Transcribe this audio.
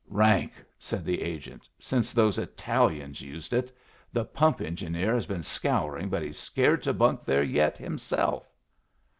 "Rank," said the agent, "since those Italians used it. The pump engineer has been scouring, but he's scared to bunk there yet himself."